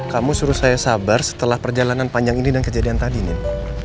kamu suruh saya sabar setelah perjalanan panjang ini dan kejadian tadi nin